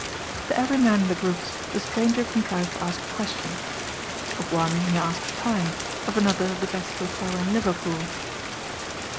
To every man in the groups the stranger contrived to ask a question. Of one he asked the time, of another the best hotel in Liverpool.